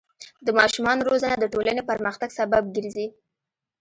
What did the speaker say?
د ماشومانو روزنه د ټولنې پرمختګ سبب ګرځي.